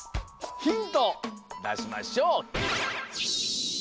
ヒントだしましょう。